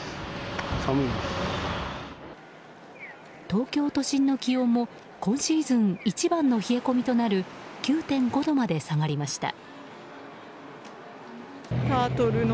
東京都心の気温も今シーズン一番の冷え込みとなる９．５度まで下がりました。